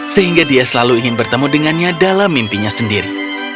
sehingga dia selalu ingin bertemu dengannya dalam mimpinya sendiri